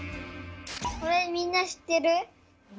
これみんなしってる？